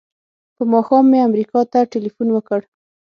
په ماښام مې امریکا ته ټیلفون وکړ.